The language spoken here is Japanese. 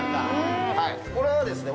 これはですね